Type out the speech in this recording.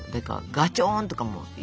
「ガチョン」とかも。